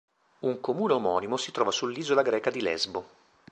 Un comune omonimo si trova sull'isola greca di Lesbo.